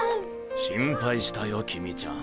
心配したよ公ちゃん。